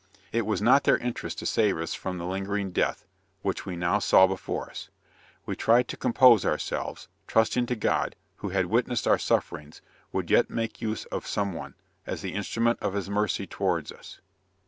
It was not their interest to save us from the lingering death, which we now saw before us. We tried to compose ourselves, trusting to God, who had witnessed our sufferings, would yet make use of some one, as the instrument of his mercy towards us.